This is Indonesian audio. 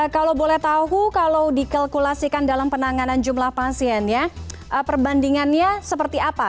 kalau boleh tahu kalau dikalkulasikan dalam penanganan jumlah pasiennya perbandingannya seperti apa